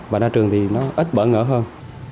và ra trường thì nó ít bỡ ngỡ hơn